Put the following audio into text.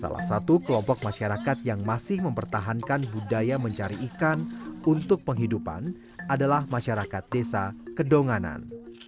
salah satu kelompok masyarakat yang masih mempertahankan budaya mencari ikan untuk penghidupan adalah masyarakat desa kedonganan